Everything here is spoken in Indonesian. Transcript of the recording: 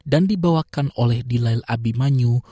dan dibawakan oleh dilail abimanyu